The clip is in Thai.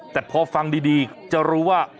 แต่พอฟังดีจะรู้ว่า